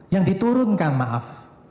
yang diturunkan maaf